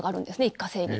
一過性に。